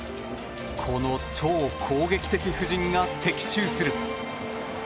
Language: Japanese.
この超攻撃的布陣が的中する。